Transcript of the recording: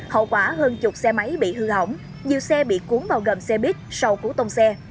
hậu quả hơn chục xe máy bị hư hỏng nhiều xe bị cuốn vào gầm xe buýt sau cú tông xe